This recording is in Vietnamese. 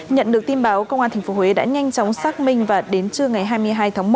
nhận được tin báo công an tp huế đã nhanh chóng xác minh và đến trưa ngày hai mươi hai tháng một